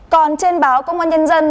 còn trên báo công an nhân dân